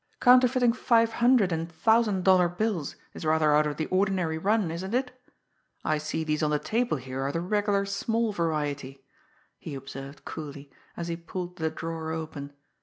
"Counterfeiting five hundred and thousand dollar bills is rather out of the ordinary run, isn't it I see these on the table here are the regular small variety!" he observed coolly, as he pulled the drawer open.